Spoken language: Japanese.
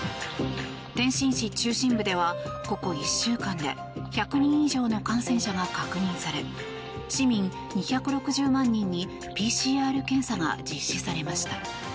天津市中心部ではここ１週間で１００人以上の感染者が確認され市民２６０万人にＰＣＲ検査が実施されました。